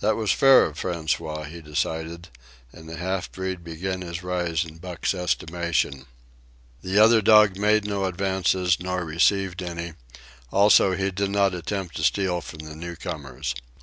That was fair of François, he decided, and the half breed began his rise in Buck's estimation. The other dog made no advances, nor received any; also, he did not attempt to steal from the newcomers.